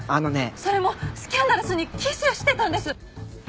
それもスキャンダラスにキスしてたんです！